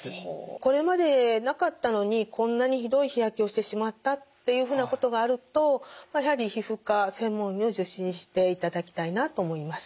これまでなかったのにこんなにひどい日焼けをしてしまったっていうふうなことがあるとやはり皮膚科専門医を受診していただきたいなと思います。